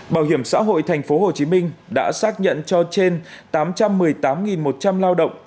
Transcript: bảo hiểm xã hội thành phố hồ chí minh đã xác nhận cho trên tám trăm một mươi tám một trăm linh lao động